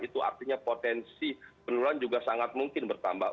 itu artinya potensi penurunan juga sangat mungkin bertambah